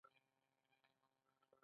انسانان د درناوي وړ دي.